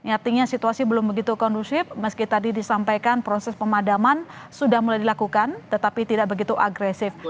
artinya situasi belum begitu kondusif meski tadi disampaikan proses pemadaman sudah mulai dilakukan tetapi tidak begitu agresif